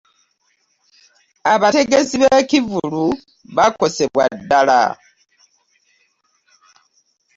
abategesi b'ekkivvulu bakosebwa ddala.